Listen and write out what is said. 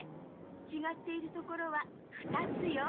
ちがっているところは２つよ。